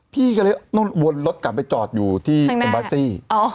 พี่ก็เลยวนรถกลับไปจอดอยู่ที่เอ็มบัสซี่